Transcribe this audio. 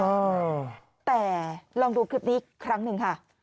เออแต่ลองดูคลิปนี้อีกครั้งหนึ่งค่ะ